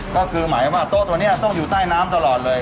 ก็คือหมายว่าโต๊ะตัวนี้ต้องอยู่ใต้น้ำตลอดเลย